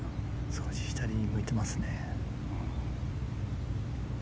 少し左に向いてますね。